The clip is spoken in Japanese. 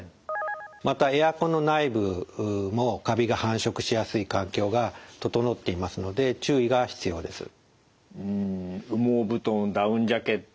またエアコンの内部もカビが繁殖しやすい環境が整っていますので注意が必要です。